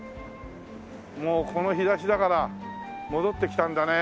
もうこの日差しだから戻ってきたんだね。